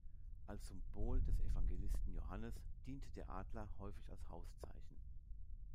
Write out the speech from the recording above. Als Symbol des Evangelisten Johannes diente der Adler häufig als Hauszeichen.